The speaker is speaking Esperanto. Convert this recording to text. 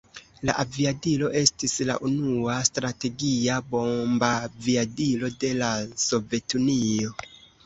La aviadilo estis la unua strategia bombaviadilo de la Sovetunio.